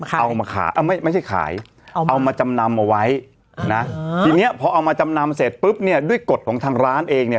เอามาขายไม่ใช่ขายเอามาจำนำเอาไว้นะทีนี้พอเอามาจำนำเสร็จปุ๊บเนี่ยด้วยกฎของทางร้านเองเนี่ย